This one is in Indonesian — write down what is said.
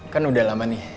kan udah lama nih